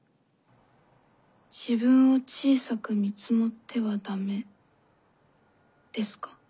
自分を小さく見積もってはダメですか。